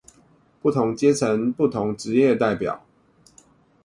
不同階層、不同職業代表